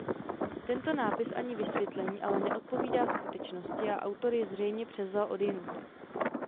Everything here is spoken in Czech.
Tento nápis ani vysvětlení ale neodpovídá skutečnosti a autor je zřejmě převzal odjinud.